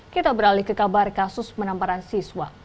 kita beralih ke kabar kasus penamparan siswa